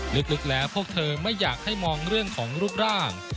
ลึกแล้วพวกเธอไม่อยากให้มองเรื่องของรูปร่าง